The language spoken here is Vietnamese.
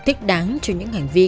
thích đáng cho những hành vi